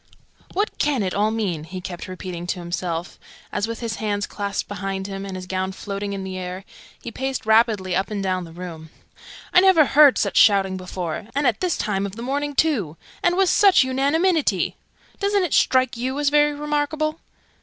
"What can it all mean?" he kept repeating to himself, as, with his hands clasped behind him, and his gown floating in the air, he paced rapidly up and down the room. "I never heard such shouting before and at this time of the morning, too! And with such unanimity! Doesn't it strike you as very remarkable?"